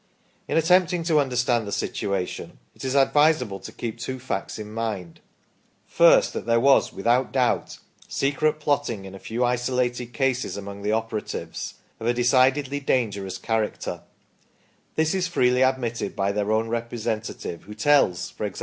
In attempting to understand the situation, it is advisable to keep two facts in mind : first, that there was, without doubt, secret plotting UNREST THAT FOLLOWED NAPOLEONIC WARS 1 1 in a few isolated cases among the operatives, of a decidedly dangerous character ; this is freely admitted by their own representative, who tells, e.g.